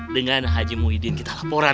dengan haji muhyiddin kita laporan